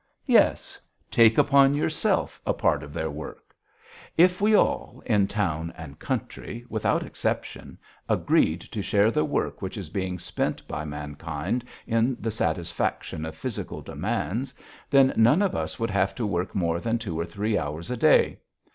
"Yes.... Take upon yourself a part of their work. If we all, in town and country, without exception, agreed to share the work which is being spent by mankind in the satisfaction of physical demands, then none of us would have to work more than two or three hours a day.